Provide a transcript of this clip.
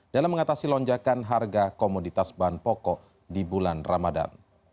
dalam mengatasi lonjakan harga komoditas bahan pokok di bulan ramadan